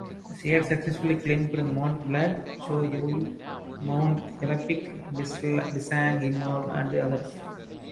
She had successfully climbed Mont Blanc, Cho Oyu, Mount Yalapic, Pisang Himal, and others.